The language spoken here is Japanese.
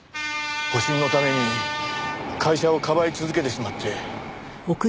保身のために会社をかばい続けてしまって。